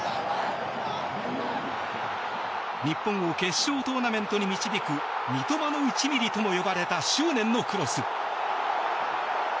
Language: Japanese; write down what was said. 日本を決勝トーナメントに導く三笘の１ｍｍとも呼ばれた執念のクロス。